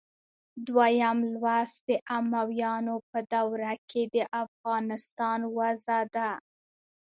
دویم لوست د امویانو په دوره کې د افغانستان وضع ده.